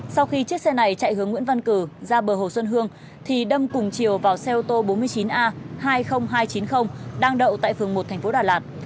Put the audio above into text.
sau khi chiếc xe này chạy hướng nguyễn văn cử ra bờ hồ xuân hương thì đâm cùng chiều vào xe ô tô bốn mươi chín a hai trăm linh hai nghìn chín mươi đang đậu tại phường một tp đà lạt